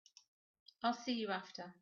I'll see you after.